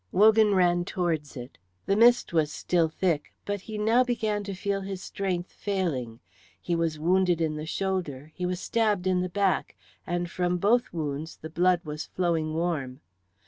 Wogan ran towards it. The mist was still thick, but he now began to feel his strength failing. He was wounded in the shoulder, he was stabbed in the back, and from both wounds the blood was flowing warm.